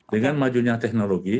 dengan majunya teknologi